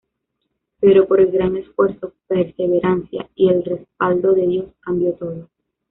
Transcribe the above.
Pero por el gran esfuerzo, perseverancia y el respaldo de Dios, cambio todo.